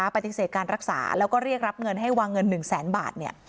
ปฏิเสธการรักษาแล้วก็เรียกรับเงินให้วางเงิน๑แสนบาท